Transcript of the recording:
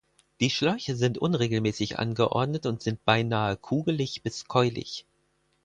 Die Schläuche sind unregelmäßig angeordnet und sind beinahe kugelig bis keulig.